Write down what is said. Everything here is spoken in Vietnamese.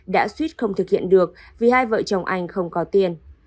đã suýt không thực hiện được vì hai vợ chồng anh không có tiền